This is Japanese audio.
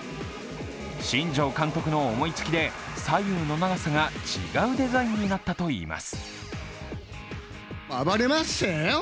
新庄監督の思いつきで左右の長さが違うデザインになったといいます。